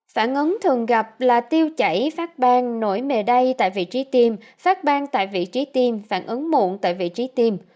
phản ứng thường gặp là tiêu chảy phát bang nổi mề đay tại vị trí tiêm phát bang tại vị trí tiêm phản ứng muộn tại vị trí tiêm